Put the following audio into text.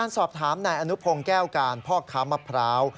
สอบถามนายอนุพงศ์แก้วการพ่อค้ามะพร้าว